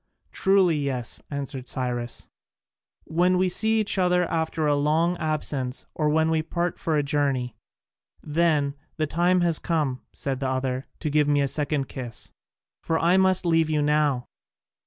"Truly yes," answered Cyrus, "when we see each other after a long absence, or when we part for a journey." "Then the time has come," said the other, "to give me a second kiss, for I must leave you now."